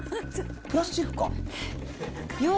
プラスチックか？